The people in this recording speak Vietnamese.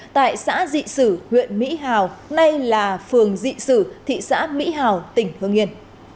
tại xã dị sử huyện mỹ hào nay là phường dị sử thị xã mỹ hào tỉnh hương yên